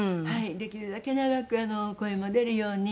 できるだけ長く声も出るように。